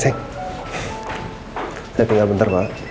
saya tinggal bentar pak